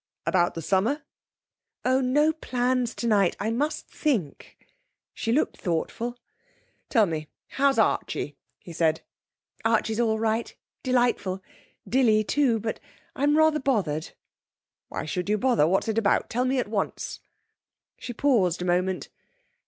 'About the summer?' 'Oh, no plans tonight. I must think.' She looked thoughtful. 'Tell me, how's Archie?' he said. 'Archie's all right delightful. Dilly, too. But I'm rather bothered.' 'Why should you bother? What's it about? Tell me at once.' She paused a moment.